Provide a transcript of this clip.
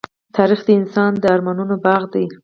تاریخ د انسان د ارمانونو باغ دی.